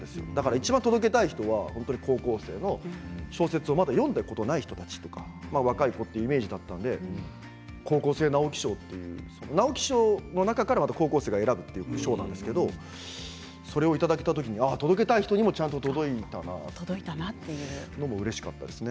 いちばん届けたい人は高校生の小説を、まだ読んだことない人たちとか若い子というイメージだったので高校生直木賞直木賞の中からまた高校生が選ぶという賞なんですけどそれをいただけた時届けたい人にちゃんと届いたなと。